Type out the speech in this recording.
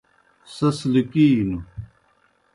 سیْس لِکِینوْ۔